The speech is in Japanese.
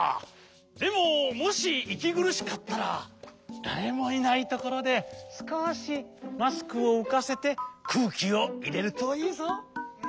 でももしいきぐるしかったらだれもいないところですこしマスクをうかせてくうきをいれるといいぞ。